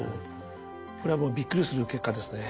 これはもうびっくりする結果ですね。